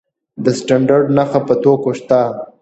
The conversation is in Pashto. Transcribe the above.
د سټنډرډ نښه په توکو شته؟